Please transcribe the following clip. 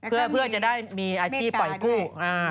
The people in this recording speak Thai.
เพื่อจะได้มีอาชีพปล่อยกู้